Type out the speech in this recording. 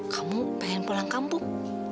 kamu pengen pulang kampung